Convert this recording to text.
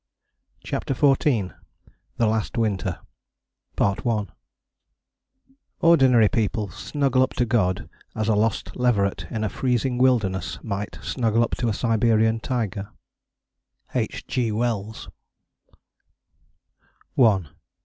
CHAPTER XIV THE LAST WINTER Ordinary people snuggle up to God as a lost leveret in a freezing wilderness might snuggle up to a Siberian tiger.... H. G. WELLS.